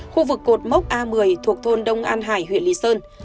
khu vực cột mốc a một mươi thuộc thôn đông an hải huyện lý sơn